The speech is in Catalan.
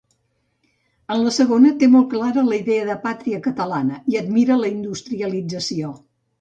En la segona, té molt clara la idea de pàtria catalana i admira la industrialització.